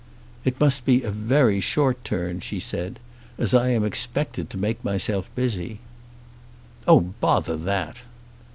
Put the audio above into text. "It must be a very short turn," she said, "as I am expected to make myself busy." "Oh, bother that."